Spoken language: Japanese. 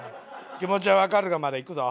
「気持ちはわかるが」までいくぞ。